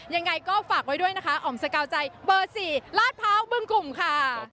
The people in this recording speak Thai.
ยังไงก็ฝากไว้ด้วยนะคะอ๋อมสกาวใจเบอร์๔ลาดพร้าวบึงกลุ่มค่ะ